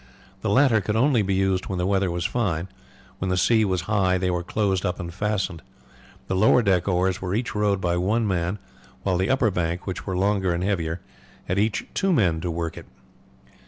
The latter could only be used when the weather was fine; when the sea was high they were closed up and fastened. The lower deck oars were each rowed by one man, while the upper bank, which were longer and heavier, had each two men to work it.